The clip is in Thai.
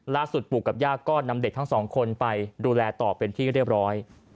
ปู่กับย่าก็นำเด็กทั้งสองคนไปดูแลต่อเป็นที่เรียบร้อย